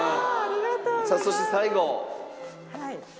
さあそして最後。